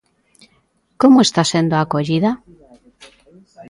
Como está sendo a acollida?